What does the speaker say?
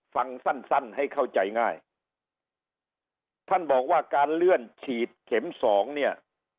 ฟังสั้นสั้นให้เข้าใจง่ายท่านบอกว่าการเลื่อนฉีดเข็มสองเนี่ย